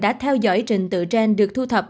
đã theo dõi trình tự gen được thu thập